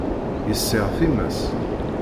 Yessiɣ times.